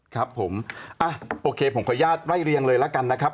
ครับผมอ่ะโอเคผมขออนุญาตไล่เรียงเลยละกันนะครับ